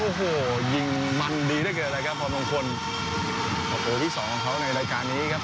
โอ้โหยิงมันดีเหลือเกินเลยครับพรมงคลประตูที่สองของเขาในรายการนี้ครับ